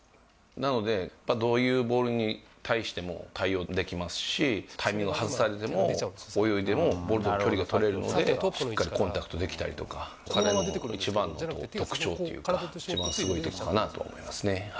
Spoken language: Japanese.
なので、どういうボールに対しても対応できますし、タイミング外されても、泳いでも、ボールとの距離が取れるので、しっかりコンタクトできたりとか、彼のこれはもう一番の特徴っていうか、一番すごいところかなと思いますね。